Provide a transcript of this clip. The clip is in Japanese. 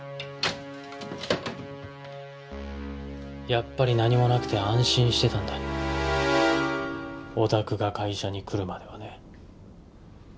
やっぱり何もなくて安心してたんだおたくが会社に来るまではね。